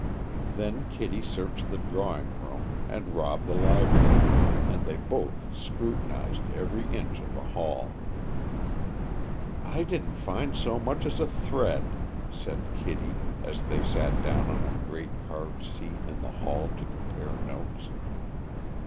Then Kitty searched the drawing room, and Rob the library, and they both scrutinized every inch of the hall. "I didn't find so much as a thread," said Kitty, as they sat down on a great carved seat in the hall to compare notes.